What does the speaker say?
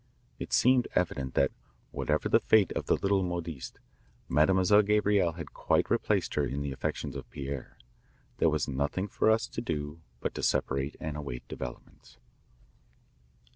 It seemed evident that whatever the fate of the little modiste, Mademoiselle Gabrielle had quite replaced her in the affections of Pierre. There was nothing for us to do but to separate and await developments.